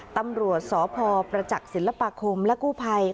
ตำรวจสพประจักษ์ศิลปาคมและกู้ภัย